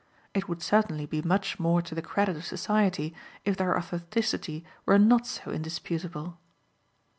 It would certainly be much more to the credit of society if their authenticity were not so indisputable.